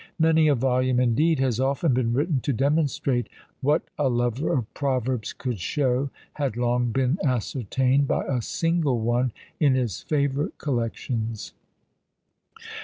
Many a volume indeed has often been written to demonstrate what a lover of proverbs could show had long been ascertained by a single one in his favourite collections.